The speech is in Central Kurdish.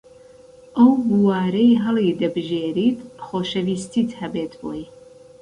ئەو بوارەی هەڵیدەبژێریت خۆشەویستیت هەبێت بۆی